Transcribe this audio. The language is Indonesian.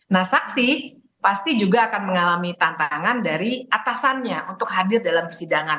nah saksi pasti juga akan mengalami tantangan dari atasannya untuk hadir dalam persidangan